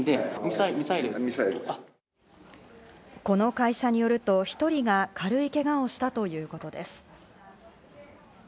この会社によると、１人が軽いけがをしたということです。